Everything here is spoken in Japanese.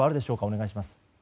お願いします。